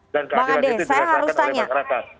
dan keadilan itu dirasakan oleh masyarakat